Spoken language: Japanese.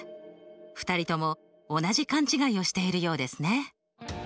２人とも同じ勘違いをしているようですね。